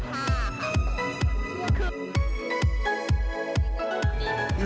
ดูนะฮะ